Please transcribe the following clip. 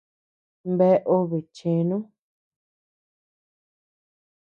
Bea obe chenu.